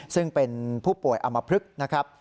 ซึ่งเป็นผู้ป่วยอมพลึกนะครับ